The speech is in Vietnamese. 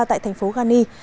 thành phố ghani